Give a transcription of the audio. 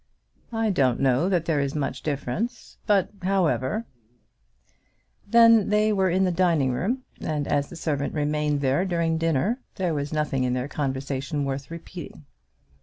"I don't know that there is much difference; but, however " Then they were in the dining room, and as the servant remained there during dinner, there was nothing in their conversation worth repeating.